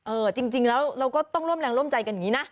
จริงแล้วเราก็ต้องร่วมแรงร่วมใจกันอย่างนี้นะ